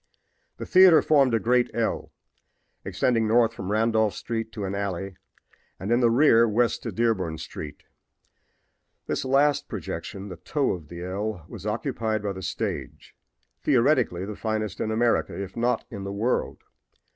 The theater formed a great L, extending north from Randolph street to an alley and, in the rear, west to Dearborn street. This last projection, the toe of the L, was occupied by the stage, theoretically the finest in America, if not in the world.